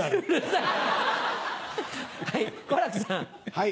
はい。